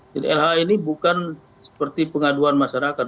jadi lha ini bukan seperti pengaduan masyarakat